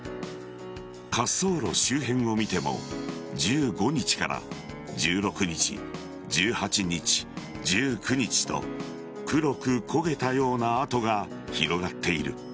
滑走路周辺を見ても１５日から１６日、１８日、１９日と黒く焦げたような跡が広がっている。